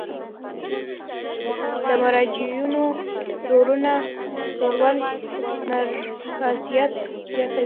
د مراجعینو ځورول نارضایت زیاتوي.